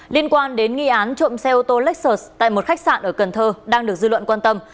liên quan đến nghi án trộm xe ô tô laxert tại một khách sạn ở cần thơ đang được dư luận quan tâm